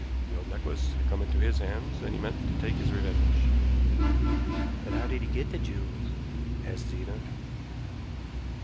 The real necklace had come into his hands, and he meant to take his revenge." "But how did he get the jewels?" asked Zena.